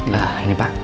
nah ini pak